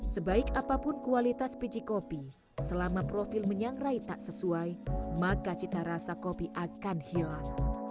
sebaik apapun kualitas biji kopi selama profil menyangrai tak sesuai maka cita rasa kopi akan hilang